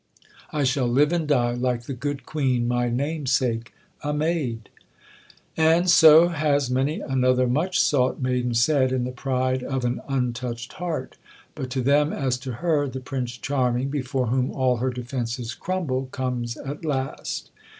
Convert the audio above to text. I shall live and die, like the good Queen, my namesake, a maid." And so has many another much sought maiden said in the pride of an untouched heart; but to them as to her the "Prince Charming," before whom all her defences crumble, comes at last.